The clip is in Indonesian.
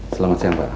selamat siang pak